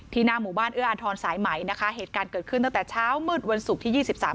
หน้าหมู่บ้านเอื้ออาทรสายใหม่นะคะเหตุการณ์เกิดขึ้นตั้งแต่เช้ามืดวันศุกร์ที่ยี่สิบสาม